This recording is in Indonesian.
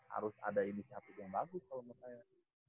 harus ada inisiatif yang bagus kalau menurut saya